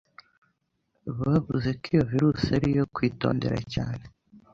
bavuze ko iyo virusi ariyo kwitondera cyane